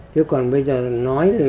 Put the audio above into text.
chứ còn bây giờ nói thì